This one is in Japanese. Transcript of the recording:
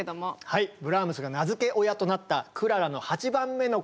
はいブラームスが名づけ親となったクララの８番目のこども